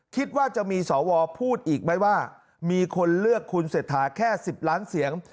คิดว่าจะมีสวพูดอีกไหมว่ามีคนเลือกคุณเศรษฐาแค่๑๐ล้านเสียง